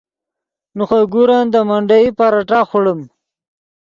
نے خوئے گورن دے منڈیئی پراٹھہ خوڑیم